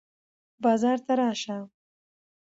بازار ته راشه.